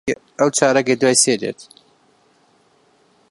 ئەو چارەکێک دوای سێ دێت.